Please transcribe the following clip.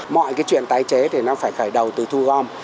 mọi cái chuyện tái chế thì nó phải khởi đầu từ thu gom